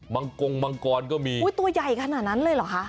มังกงมังกรของมังกรมีอุ้ยตัวใหญ่ขนาดนั้นเลยหรอคะ